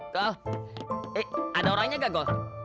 gol eh ada orangnya nggak gol